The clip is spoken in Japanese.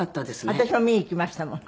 私も見に行きましたもん。